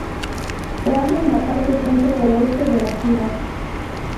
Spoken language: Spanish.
Se halla en la parte centro-oeste de la ciudad.